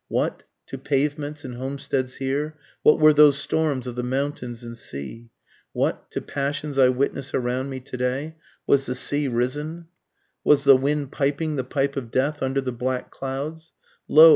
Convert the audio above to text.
What, to pavements and homesteads here, what were those storms of the mountains and sea? What, to passions I witness around me to day? was the sea risen? Was the wind piping the pipe of death under the black clouds? Lo!